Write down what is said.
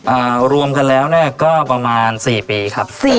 อ่ารวมกันแล้วเนี่ยก็ประมาณสี่ปีครับสี่